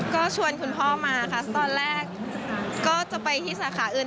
ก็ชวนคุณพ่อมาค่ะตอนแรกก็จะไปที่สาขาอื่น